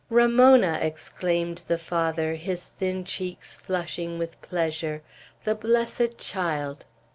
"Ramona!" exclaimed the Father, his thin cheeks flushing with pleasure. "The blessed child!"